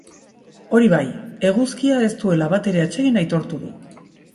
Hori bai, eguzkia ez duela batere atsegin aitortu du.